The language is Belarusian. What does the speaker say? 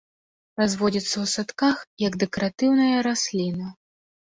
Разводзіцца ў садках як дэкаратыўная расліна.